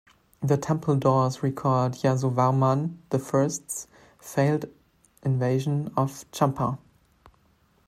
The temple doors record Yasovarman the First's failed invasion of Champa.